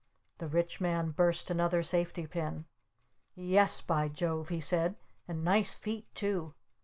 The Rich Man burst another safety pin. "Yes, by Jove," he said. "And nice feet, too!"